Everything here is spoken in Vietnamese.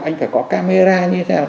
anh phải có camera như thế nào